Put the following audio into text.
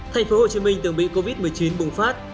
thành phố hồ chí minh từng bị covid một mươi chín bùng phát